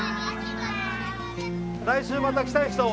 来週また来たい人？